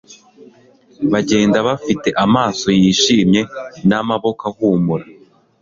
Bagenda bafite amaso yishimye namaboko ahumura